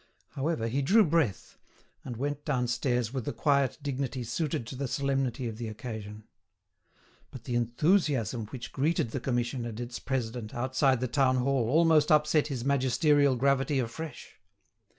However, he drew breath, and went downstairs with the quiet dignity suited to the solemnity of the occasion. But the enthusiasm which greeted the commission and its president outside the town hall almost upset his magisterial gravity afresh.